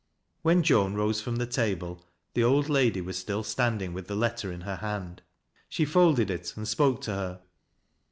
When Joan rose from the table, the old lady was still standing with the letter in her hand. She folded it and spoke to her.